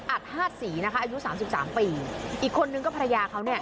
ฮาดศรีนะคะอายุสามสิบสามปีอีกคนนึงก็ภรรยาเขาเนี่ย